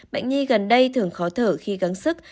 bệnh nhi gần đây thường khó thở khi gắng sức